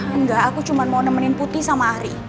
enggak aku cuma mau nemenin putih sama ari